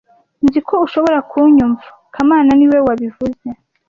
Nzi ko ushobora kunyumva kamana niwe wabivuze